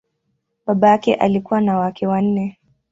Baba yake alikuwa na wake wanne.